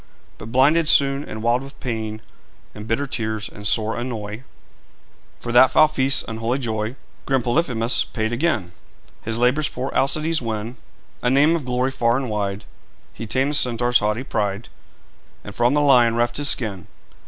But blinded soon, and wild with pain In bitter tears and sore annoy For that foul feast's unholy joy Grim Polyphemus paid again. His labours for Alcides win A name of glory far and wide; He tamed the Centaur's haughty pride, And from the lion reft his skin.